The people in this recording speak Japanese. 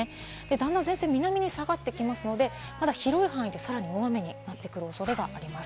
段々、前線南に下がってきますので、広い範囲でさらに大雨になってくる恐れがあります。